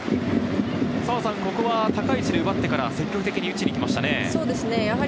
ここは高い位置で奪ってから積極的に打ちに行きましたね。